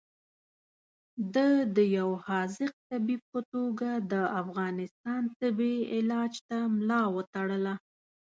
ده د یو حاذق طبیب په توګه د افغانستان تبې علاج ته ملا وتړله.